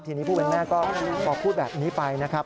ทีนี้ผู้เป็นแม่ก็บอกพูดแบบนี้ไปนะครับ